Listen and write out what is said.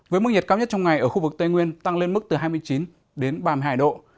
với mức nhiệt cao nhất trong ngày ở khu vực tây nguyên tăng lên mức từ hai mươi chín đến ba mươi hai độ